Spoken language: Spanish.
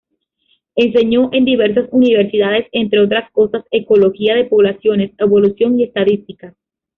Enseñó en diversas Universidades, entre otras cosas, ecología de poblaciones, evolución y estadísticas.